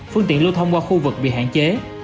phương tiện lưu thông qua khu vực bị hạn chế